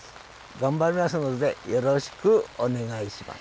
頑張りますので、よろしくお願いします。